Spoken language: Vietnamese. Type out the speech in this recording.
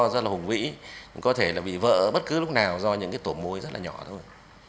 rất là hùng vĩ có thể là bị vỡ bất cứ lúc nào do những cái tổ mối rất là nhỏ thôi